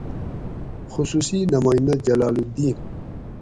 خصوصی نمائندہ: جلال الدّین